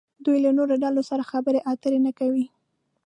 دوی له نورو ډلو سره خبرې اترې نه کوي.